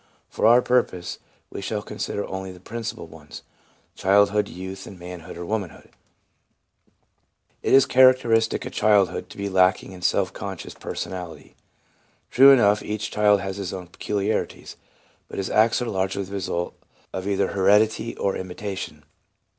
For our purpose, we shall consider only the principal ones — childhood, youth, and manhood or womanhood. It is a characteristic of childhood to be lacking in self conscious personality. True enough, each child has his own peculiarities, but his acts are largely the result of either heredity or imitation.